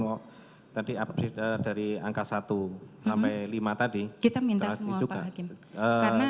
walk tadi apresia dari angka satu sampai lima tadi kita minta semua pak hakim karena